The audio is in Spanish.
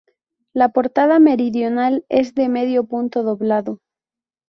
La portada meridional es de medio punto doblado.